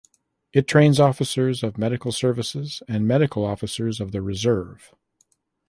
It trains officers of medical services and medical officers of the reserve.